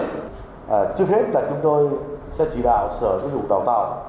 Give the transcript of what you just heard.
trước hết là chúng tôi sẽ chỉ đạo sở giới dụng đào tạo